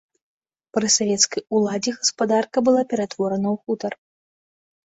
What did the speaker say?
Пры савецкай уладзе гаспадарка была ператворана ў хутар.